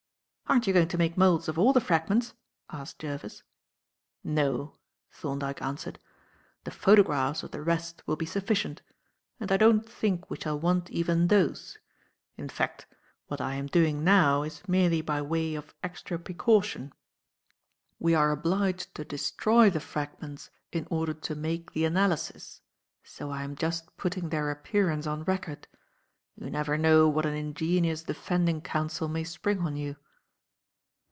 "Aren't you going to make moulds of all the fragments?" asked Jervis. "No," Thorndyke answered; "the photographs of the rest will be sufficient, and I don't think we shall want even those; in fact, what I am doing now is merely by way of extra precaution. We are obliged to destroy the fragments in order to make the analysis, so I am just putting their appearance on record. You never know what an ingenious defending counsel may spring on you."